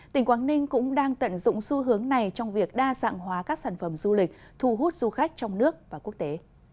tỉnh quảng ninh cũng đang tận dụng xu hướng này trong việc đa dạng hóa các sản phẩm du lịch thu hút du khách trong nước và quốc tế